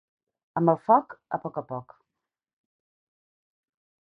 Amb el foc, a poc a poc.